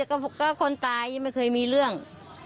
ก็คนตายยังไม่เคยมีเรื่อง